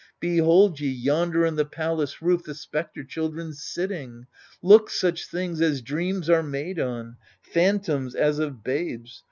Behold ye — yonder on the palace roof The spectre children sitting — look, such things As dreams are made on, phantoms as of babes.